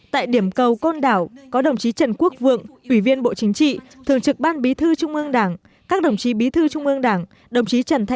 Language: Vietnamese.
tại điểm cầu côn đảo có đồng chí trần quốc vượng ủy viên bộ chính trị thường trực ban bí thư trung ương đảng các đồng chí bí thư trung ương đảng